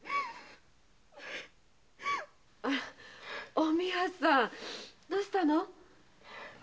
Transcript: おみわさんどうしたの？